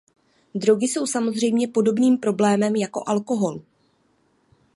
Drogy jsou samozřejmě podobným problémem jako alkohol.